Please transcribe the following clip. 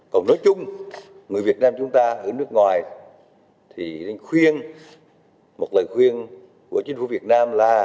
còn nói chung người việt nam chúng ta ở nước ngoài thì khuyên một lời khuyên của chính phủ việt nam là